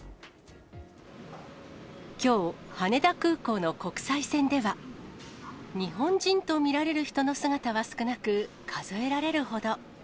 きょう、羽田空港の国際線では、日本人と見られる人の姿は少なく、数えられるほど。